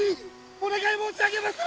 お願い申し上げまする！